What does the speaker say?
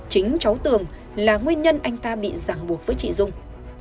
chính cháu tường là nguyên nhân anh ta bị giảng buộc với chị dung